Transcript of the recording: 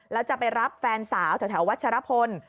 แล้วจะไปรับแฟนสาวแถววัชรพล